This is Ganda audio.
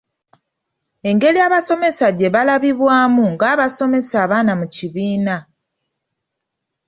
Engeri abasomesa gye baalabibwamu nga basomesa abaana mu kibiina.